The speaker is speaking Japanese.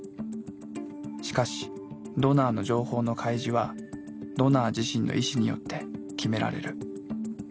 しかしドナーの情報の開示はドナー自身の意思によって決められる。